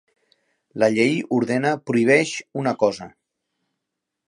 La llei ordena, prohibeix, una cosa.